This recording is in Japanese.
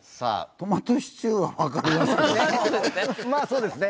トマトシチューはわかりますけど。